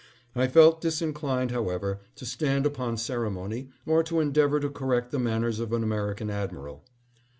I felt disinclined, however, to stand upon ceremony or to en deavor to correct the manners of an American admiral.